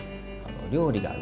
料理がね